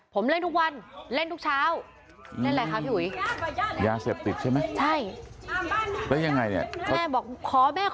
ผมเล่นทุกวันเล่นทุกเช้าเล่นอะไรคะพี่ห่วยยาเสพติดใช่ไหมใช่เรื่องไงแม่บอกคอแม่คอ